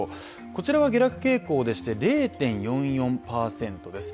こちらは下落傾向でして０．０４％です。